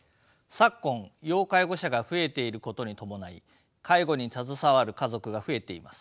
昨今要介護者が増えていることに伴い介護に携わる家族が増えています。